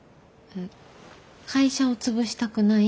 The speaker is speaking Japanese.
会社を潰したくない。